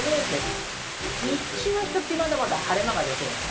日中は比較的まだまだ晴れ間が出そうです。